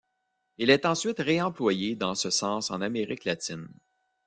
Il est ensuite réemployé dans ce sens en Amérique latine.